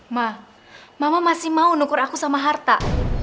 mak mama masih mau nukur aku sama harta